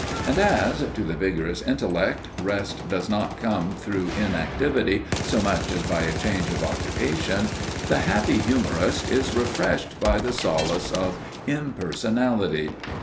And as, to the vigorous intellect, rest does not come through inactivity so much as by a change of occupation, the happy humourist is refreshed by the solace of impersonality.